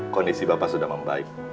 kondisi bapak sudah membaik